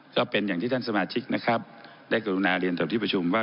ก็เป็นอย่างที่ท่านสมาชิกนะครับได้กรุณาเรียนต่อที่ประชุมว่า